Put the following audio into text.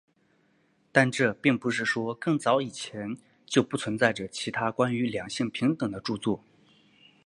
但这并不是说更早以前就不存在着其他关于两性平等的着作。